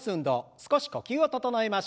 少し呼吸を整えましょう。